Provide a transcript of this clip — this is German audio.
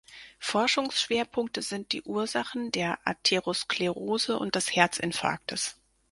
Forschungsschwerpunkte sind die Ursachen der Atherosklerose und des Herzinfarktes.